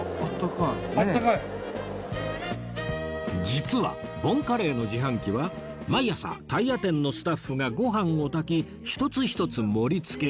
実はボンカレーの自販機は毎朝タイヤ店のスタッフがご飯を炊き一つ一つ盛りつけ